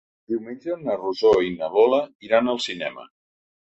Diumenge na Rosó i na Lola iran al cinema.